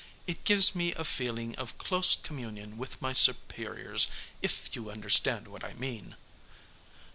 It gives me a feeling of close communion with my superiors, if you understand what I mean."